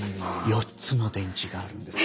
４つも電池があるんです。